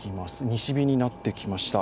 西日になってきました。